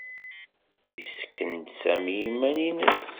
Yessken-d Sami iman-nnes.